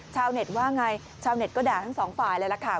ชาวเน็ตว่าไงชาวเน็ตก็ด่าทั้งสองฝ่ายเลยล่ะค่ะ